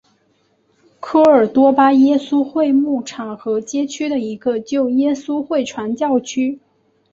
科尔多巴耶稣会牧场和街区的一个旧耶稣会传教区。